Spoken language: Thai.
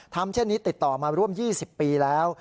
เช่นนี้ติดต่อมาร่วม๒๐ปีแล้ว